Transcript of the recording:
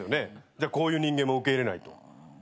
じゃあこういう人間も受け入れないと。